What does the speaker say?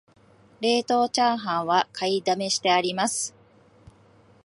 冷凍チャーハンは買いだめしてあります